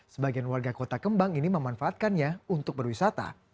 sebagian warga kota kembang ini memanfaatkannya untuk berwisata